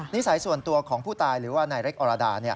สัยส่วนตัวของผู้ตายหรือว่านายเล็กอรดา